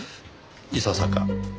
いささか。